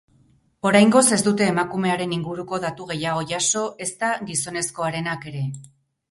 Oraingoz ez dute emakumearen inguruko datu gehiago jaso, ezta gizonezkoarenak ere.